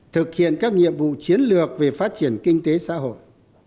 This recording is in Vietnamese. thực hiện các nhiệm vụ chiến lược về phát triển kinh tế xã hội